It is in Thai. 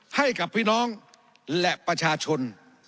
ให้กับพี่น้องและประชาชน